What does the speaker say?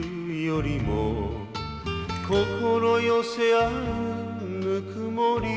「心寄せ合うぬくもりを」